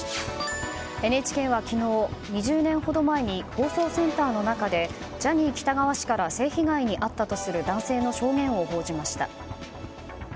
ＮＨＫは昨日、２０年ほど前に放送センターの中でジャニー喜多川氏から性被害に遭ったとする男性の証言を報じました。